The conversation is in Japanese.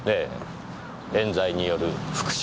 冤罪による復讐殺人。